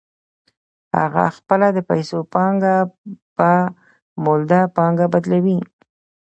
هغه خپله د پیسو پانګه په مولده پانګه بدلوي